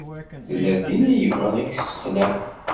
Tella tin i yebɣan ad k-tsexleɣ.